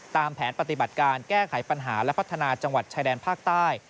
ตามแผนปฏิบัติการแก้ไขปัญหาและพัฒนาจังหวัดชายแดนภาคใต้